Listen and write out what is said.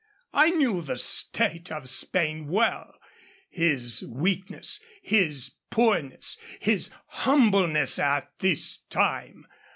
I knew the state of Spain well, his weakness, his poorness, his humbleness at this time.